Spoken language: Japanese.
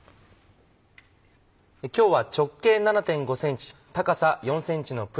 今日は。